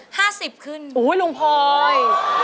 ๕๐ขึ้นอุ๊ยลุงพลอย